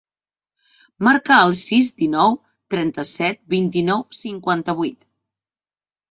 Marca el sis, dinou, trenta-set, vint-i-nou, cinquanta-vuit.